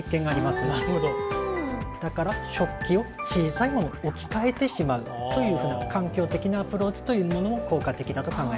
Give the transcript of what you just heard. だから食器を小さいものに置き換えてしまうというふうな環境的なアプローチというものも効果的だと考えられます。